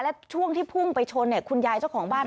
และช่วงที่พุ่งไปชนคุณยายเจ้าของบ้าน